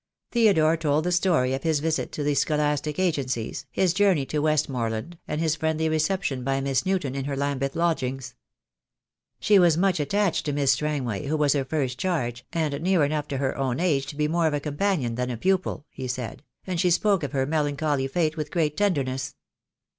Theodore told the story of his visit to the scholastic agencies, his journey to Westmoreland, and his friendly reception by Miss Newton in her Lambeth lodgings. " She was much attached to Miss Strangway, who was her first charge, and near enough to her own age to be more of a companion than a pupil," he said, "and she spoke of her melancholy fate with great tenderness."